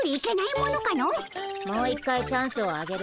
もう一回チャンスをあげる。